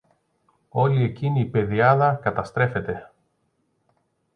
όλη εκείνη η πεδιάδα καταστρέφεται!